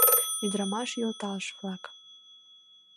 Ӱдырамаш йолташ-влак!